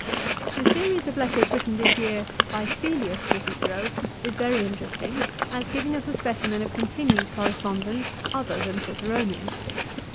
The series of letters written this year by Cselius to Cicero is very interesting as giving us a specimen of continued correspondence other than Ciceronian.